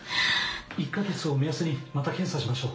１か月を目安にまた検査しましょう。